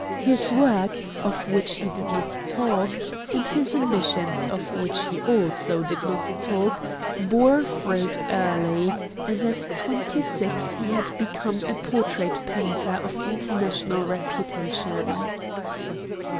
His work, of which he did not talk, and his ambitions, of which he also did not talk, bore fruit early, and at twenty six he had become a portrait painter of international reputation.